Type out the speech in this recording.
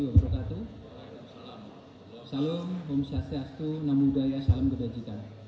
bapak kabit humas polda banten